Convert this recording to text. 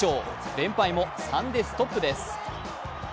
連敗も３でストップです。